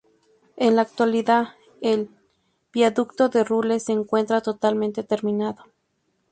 En la actualidad, el Viaducto de Rules se encuentra totalmente terminado.